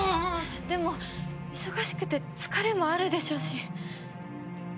でも忙しくて疲れもあるでしょうし。